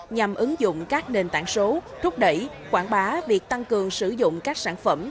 nhằm ứng dụng các nền tảng số rút đẩy quảng bá việc tăng cường sử dụng các sản phẩm